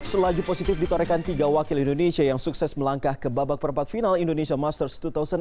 selaju positif ditorekan tiga wakil indonesia yang sukses melangkah ke babak perempat final indonesia masters dua ribu delapan belas